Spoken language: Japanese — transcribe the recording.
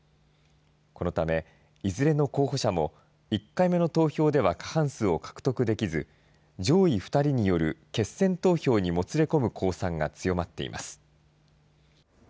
このため、いずれの候補者も１回目の投票では過半数を獲得できず、上位２人による決選投票にもつれ込む公算が強まっています。